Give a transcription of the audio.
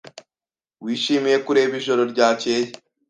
Wishimiye kureba ijoro ryakeye?